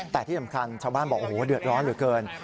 แต่ที่สำคัญชาวบ้านบอกโอ้โหเดือดร้อนเหลือเกิน